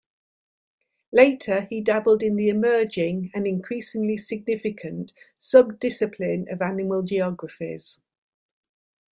Later, he dabbled in the emerging, and increasingly significant, sub-discipline of animal geographies.